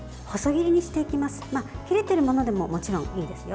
切れているものでももちろんいいですよ。